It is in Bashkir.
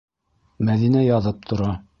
Мәҙинә яҙып тора.